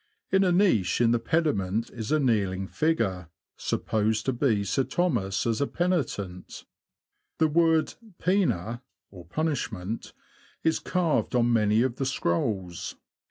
In a niche in the pediment is a kneeling figure, sup posed to be Sir Thomas as a penitent ; the word poena (punishment) is carved on many of the scrolls.